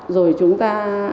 rồi chúng ta